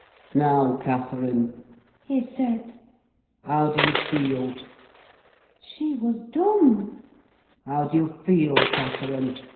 "'Now—Catherine,' he said, 'how do you feel?' "She was dumb. "'How do you feel, Catherine?